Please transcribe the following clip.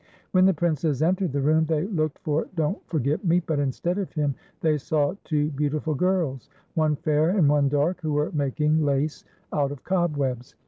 When the Princes entered the room, they looked for Don't Forget Me ; but, instead of him, they saw two beautiful girls, one fair and one dark, who were making lace out of cobwebs.